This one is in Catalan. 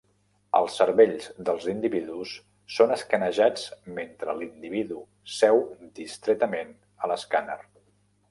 Els cervells dels individus són escanejats mentre l"individu seu distretament a l'escàner.